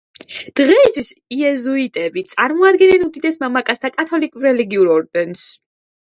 დღეისთვის იეზუიტები წარმოადგენენ უდიდეს მამაკაცთა კათოლიკურ რელიგიურ ორდენს.